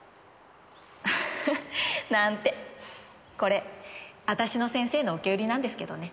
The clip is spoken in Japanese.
なんてこれ私の先生の受け売りなんですけどね。